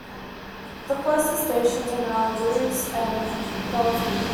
The closest stations are now Roose and Dalton.